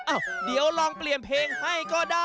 อ้าวเดี๋ยวลองเปลี่ยนเพลงให้ก็ได้